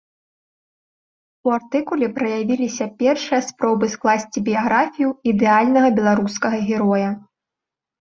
У артыкуле праявіліся першыя спробы скласці біяграфію ідэальнага беларускага героя.